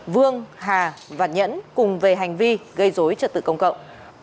vương hà và nhẫn cùng về hành vi gây dối trật tự công cộng